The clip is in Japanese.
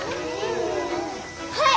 はい！